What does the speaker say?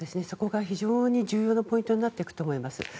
そこが非常に重要なポイントになっていくと思います。